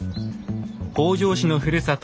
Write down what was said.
北条氏のふるさと